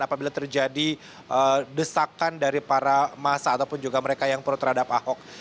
apabila terjadi desakan dari para massa ataupun juga mereka yang pro terhadap ahok